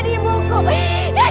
kalian berdua harus membayar